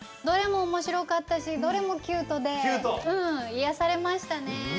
どれもおもしろかったしどれもキュートでうんいやされましたね。